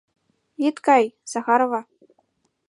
Ит кай, Захарова!